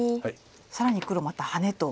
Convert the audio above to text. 更に黒またハネと。